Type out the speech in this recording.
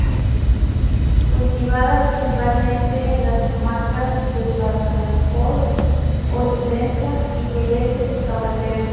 Cultivada principalmente en las comarcas de Badajoz, Olivenza y Jerez de los Caballeros.